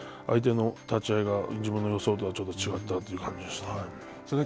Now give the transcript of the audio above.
相手の立ち合いが自分の予想とはちょっと違ったという感じでした。